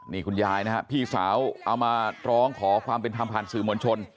นี่คุณยายนะครับพี่สาวเอามาร้องขอความเป็นทัมภัณฑ์สื่อมวลชน